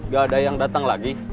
gak ada yang datang lagi